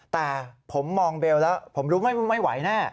แต่ผมมองเบลแล้วผมรู้ไม่ไหวแน่